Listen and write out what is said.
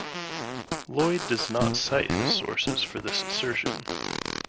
Lloyd does not cite his sources for this assertion.